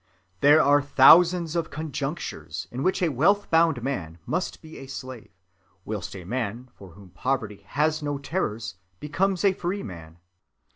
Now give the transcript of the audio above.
There are thousands of conjunctures in which a wealth‐bound man must be a slave, whilst a man for whom poverty has no terrors becomes a freeman.